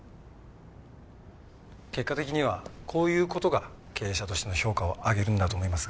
結果的にはこういう事が経営者としての評価を上げるんだと思いますが。